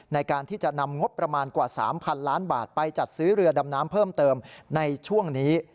ในการที่จะนำงบประมาณกว่า๓๐๐๐ล้านบาทไปจัดซื้อเรือดำน้ำเพิ่มเติมในช่วงนี้